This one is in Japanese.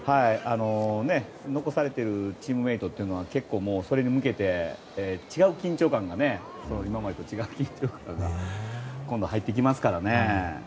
残されているチームメートは結構それに向けて今までと違う緊張感が今度は入ってきますからね。